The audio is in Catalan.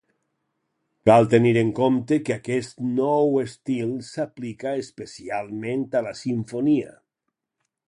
Cal tenir en compte que aquest nou estil s'aplica especialment a la simfonia.